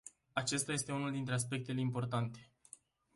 Acesta este unul dintre aspectele importante.